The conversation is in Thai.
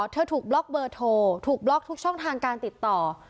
เธอถูกบล็อกเบอร์โทรถูกบล็อกทุกช่องทางการติดต่อ